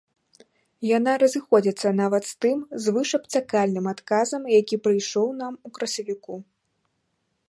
Яна разыходзіцца нават з тым звышабцякальным адказам, які прыйшоў нам у красавіку.